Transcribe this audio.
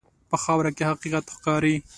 په خاوره کې حقیقت ښکاري.